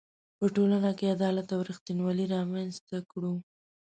په ټولنه کې عدالت او ریښتینولي رامنځ ته کړو.